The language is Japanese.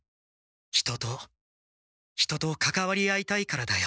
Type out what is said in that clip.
人と人とかかわり合いたいからだよ。